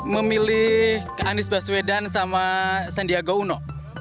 memilih anies baswedan sama sandiaga uno